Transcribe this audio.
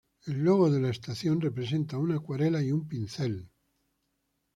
El logo de la estación representa una acuarela y un pincel.